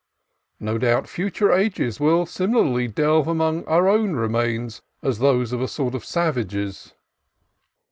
No doubt future ages will similarly delve among our own remains as those of a sort of savages.